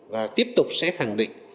và tiếp tục sẽ khẳng định